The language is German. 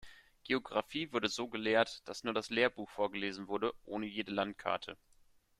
Geographie wurde so gelehrt, dass nur das Lehrbuch vorgelesen wurde, ohne jede Landkarte.